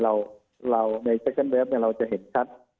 เราใน๒เนี่ยเราจะเห็นชัด